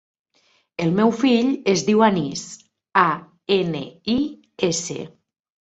El meu fill es diu Anis: a, ena, i, essa.